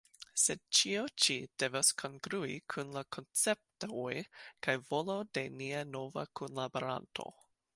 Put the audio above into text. Sed ĉio ĉi devas kongrui kun la konceptoj kaj volo de nia nova kunlaboranto.